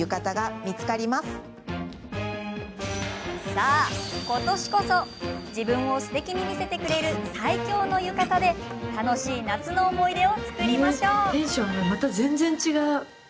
さあ、今年こそ自分をすてきに見せてくれる最強の浴衣で楽しい夏の思い出を作りましょう。